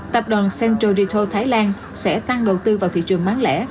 tập đoàn centro reto thái lan sẽ tăng đầu tư vào thị trường bán lẻ